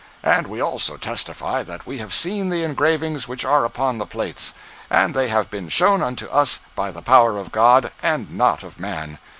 And we also testify that we have seen the engravings which are upon the plates; and they have been shown unto us by the power of God, and not of man.